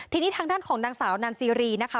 ทีนี้ทางด้านของนางสาวนันซีรีนะคะ